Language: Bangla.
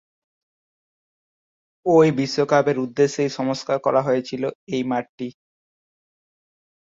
ঐ বিশ্বকাপের উদ্দেশ্যেই সংস্কার করা হয়েছিল এই মাঠটি।